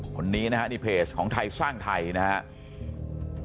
คนนี้นะฮะนี่เพจของไทยสร้างไทยนะครับ